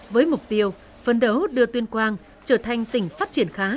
với mục tiêu phấn đấu đưa tuyên quang trở thành tỉnh phát triển khá